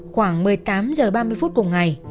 khoảng một mươi tám h ba mươi phút cùng ngày